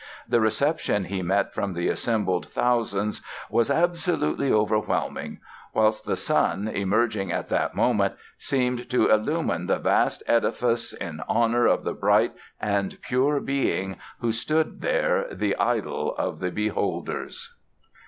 The reception he met from the assembled thousands ... was absolutely overwhelming; whilst the sun, emerging at that moment, seemed to illumine the vast edifice in honour of the bright and pure being who stood there, the idol of all beholders"!